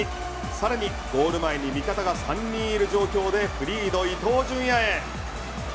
さらにゴール前に味方が３人いる状況でフリーの伊東純也へ。